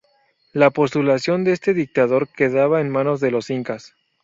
La postulación de este dictador quedaba en manos de los incas.